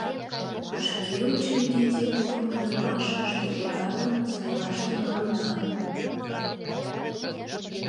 — Вашке Учредительный погынымашыш делегатым сайлаш тӱҥалына.